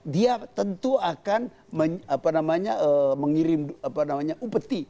dia tentu akan mengirim upeti